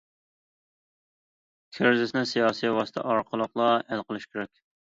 كىرىزىسىنى سىياسىي ۋاسىتە ئارقىلىقلا ھەل قىلىش كېرەك.